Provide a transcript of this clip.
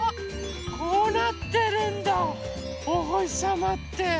こうなってるんだおほしさまって。